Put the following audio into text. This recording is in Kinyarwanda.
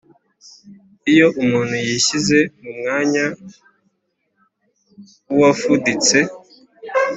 iyo umuntu yishyize mu mwanya w’uwafuditse,